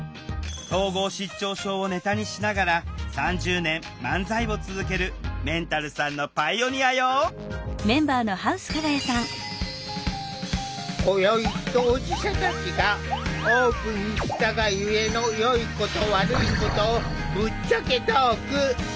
統合失調症をネタにしながら３０年漫才を続けるメンタルさんのパイオニアよ今宵当事者たちがオープンにしたがゆえのよいこと悪いことをぶっちゃけトーク。